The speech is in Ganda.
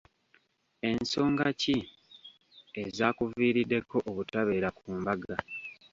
Ensoga ki ezaakuviiriddeko obutabeera ku mbaga?